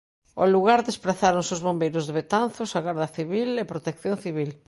Ao lugar desprazáronse os bombeiros de Betanzos, a Garda Civil e Protección Civil.